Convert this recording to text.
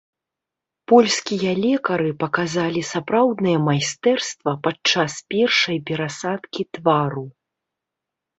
Польскія лекары паказалі сапраўднае майстэрства падчас першай перасадкі твару.